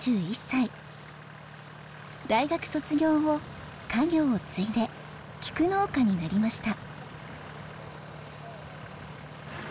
大学卒業後家業を継いでキク農家になりました。